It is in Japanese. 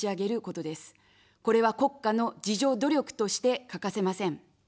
これは国家の自助努力として欠かせません。